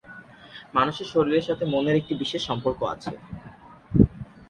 মানুষের শরীরের সাথে মনের একটি বিশেষ সম্পর্ক আছে।